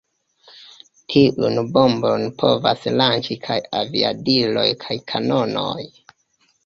Tiujn bombojn povas lanĉi kaj aviadiloj kaj kanonoj.